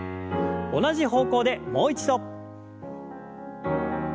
同じ方向でもう一度。